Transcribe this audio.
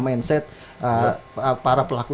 mindset para pelaku